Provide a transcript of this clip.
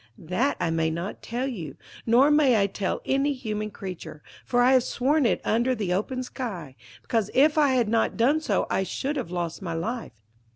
'That I may not tell you, nor may I tell any human creature; for I have sworn it under the open sky, because if I had not done so I should have lost my life.'